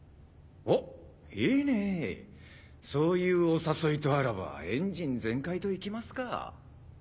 おっいいねぇそういうお誘いとあらばエンジン全開と行きますか。